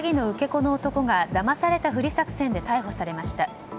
子の男がだまされたふり作戦で逮捕されました。